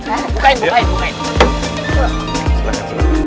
bukain bukain bukain